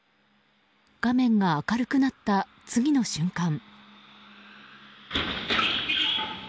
画面が明るくなった次の瞬間。